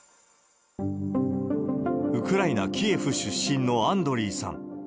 ウクライナ・キエフ出身のアンドリイさん。